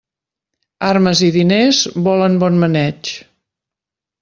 Armes i diners volen bon maneig.